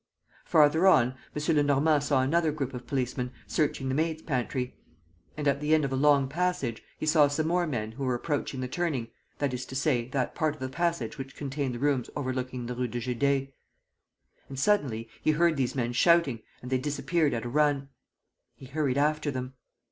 Farther on, M. Lenormand saw another group of policemen searching the maid's pantry and, at the end of a long passage, he saw some more men who were approaching the turning, that is to say, that part of the passage which contained the rooms overlooking the Rue de Judée. And, suddenly, he heard these men shouting; and they disappeared at a run. He hurried after them.